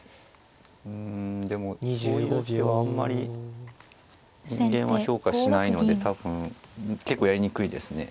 うんでもそういう手はあんまり人間は評価しないので多分結構やりにくいですね。